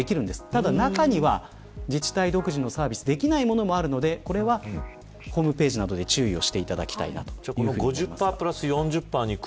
ただ中には自治体独自のサービスで、できないものもあるのでこれはホームページなどで注意をしてもらいたいです。